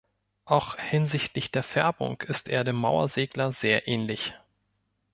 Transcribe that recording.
Auch hinsichtlich der Färbung ist er dem Mauersegler sehr ähnlich.